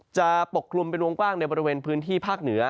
ปกคลุมเป็นวงกว้างในบริเวณพื้นที่ภาคเหนือ